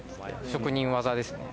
職人技ですね。